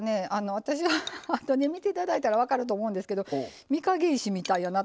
私はあとで見て頂いたら分かると思うんですけど御影石みたいやなと。